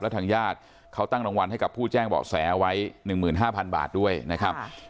ทางญาติเขาตั้งรางวัลให้กับผู้แจ้งเบาะแสเอาไว้๑๕๐๐๐บาทด้วยนะครับ